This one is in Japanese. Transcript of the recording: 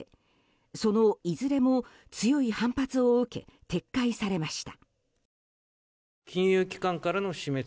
そのいずれも、強い反発を受け撤回されました。